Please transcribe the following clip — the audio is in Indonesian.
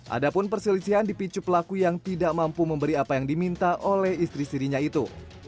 ada pun perselisihan dipicu pelaku yang tidak mampu memberi apa yang diminta oleh istri sirinya itu